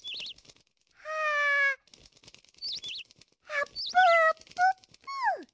あぷぷぷ！